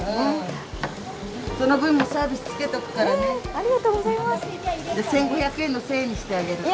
ありがとうございます。